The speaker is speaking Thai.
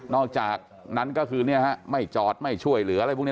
อกจากนั้นก็คือไม่จอดไม่ช่วยเหลืออะไรพวกนี้